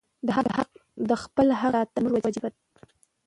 د خپل حق ساتنه زموږ وجیبه ده.